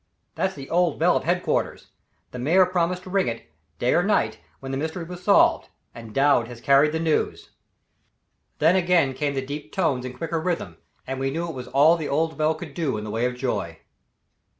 "That's the old bell of headquarters. The Mayor promised to ring it, day or night, when the mystery was solved, and Dowd has carried the news." Then again came the deep tones in quicker rhythm, and we knew it was all the old bell could do in the way of joy.